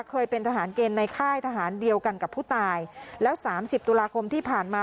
เคยเป็นทหารเกณฑ์ในค่ายทหารเดียวกันกับผู้ตายแล้วสามสิบตุลาคมที่ผ่านมา